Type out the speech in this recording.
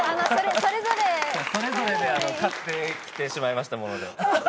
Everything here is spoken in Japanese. それぞれで買ってきてしまいましたもので。